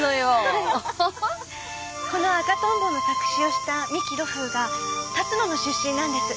この『赤とんぼ』の作詞をした三木露風が龍野の出身なんです。